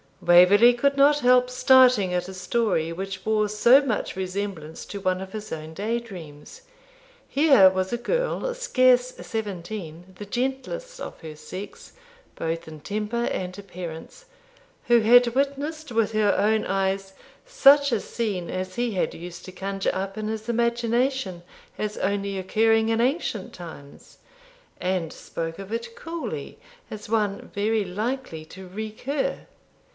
Waverley could not help starting at a story which bore so much resemblance to one of his own day dreams. Here was a girl scarce seventeen, the gentlest of her sex, both in temper and appearance, who had witnessed with her own eyes such a scene as he had used to conjure up in his imagination, as only occurring in ancient times, and spoke of it coolly, as one very likely to recur.